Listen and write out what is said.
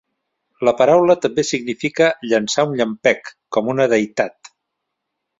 La paraula també significa "llançar un llampec, com una deïtat".